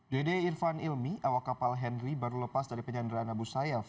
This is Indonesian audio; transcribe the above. dede irfan ilmi awak kapal henry baru lepas dari penyanderaan abu sayyaf